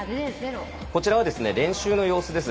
こちらはですね練習の様子です。